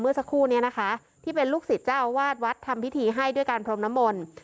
เมื่อสักครู่นี้นะคะที่เป็นลูกศิษย์เจ้าวาดวัดทำพิธีให้ด้วยการพรมนมล